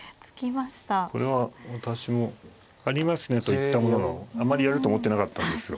これは私もありますねと言ったもののあんまりやると思ってなかったんですよ。